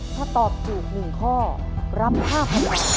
ถ้าตอบถูก๑ข้อรับ๕๐๐๐บาท